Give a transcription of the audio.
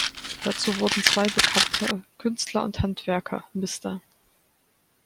Dazu wurden zwei bekannte Künstler und Handwerker, Mr.